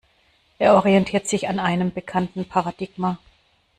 Er orientiert sich an einem bekannten Paradigma.